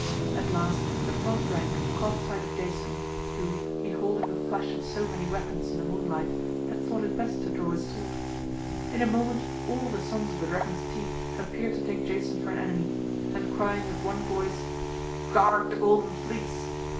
At last the front rank caught sight of Jason, who, beholding the flash of so many weapons in the moonlight, had thought it best to draw his sword. In a moment all the sons of the dragon's teeth appeared to take Jason for an enemy; and crying with one voice, "Guard the Golden Fleece!"